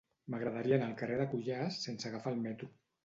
M'agradaria anar al carrer de Cuyàs sense agafar el metro.